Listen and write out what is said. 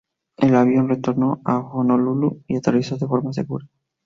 El avión retornó a Honolulú y aterrizó de forma segura.